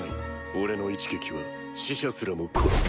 俺の一撃は死者すらも殺す。